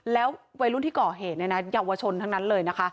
แล้ววัยรุ่นที่เกาะเหตุยาวชนทั้งนั้นเลยนะคะ